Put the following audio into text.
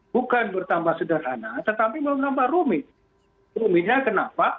bukan bertambah sederhana tetapi mau menambah rumit rumitnya kenapa